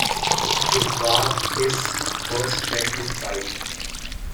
His bark is worse than his bite.